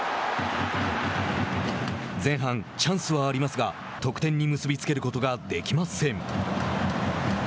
前半、チャンスはありますが得点に結び付けることができません。